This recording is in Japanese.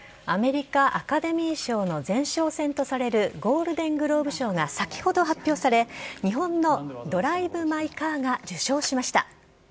アメリカ・アカデミー賞の前哨戦とされるゴールデン・グローブ賞が、先ほど発表され、日本のドライブ・マイ・カーが受賞しました。